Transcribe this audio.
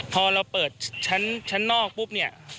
พอเราเปิดชั้นนอกปุ๊บเนี่ย